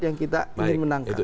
yang kita ingin menangkan